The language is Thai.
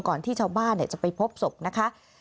ที่ชาวบ้านจะไปพบศพนะคะ